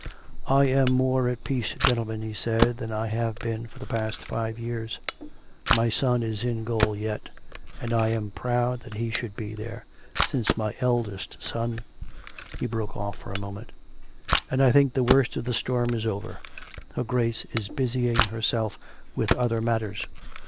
" I am more at peace, gentlemen," he said, " than I have been for the past five years. My son is in gaol yet; and I am proud that he should be there, since my eldest son " (he broke oS a moment). " And I think the worst of the storm is over. Her Grace is busying herself with other matters."